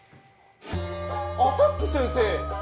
アタック先生！